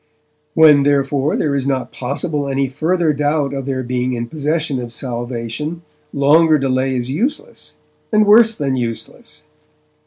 When, therefore, there is not possible any further doubt of their being in possession of salvation, longer delay is useless, and worse than useless.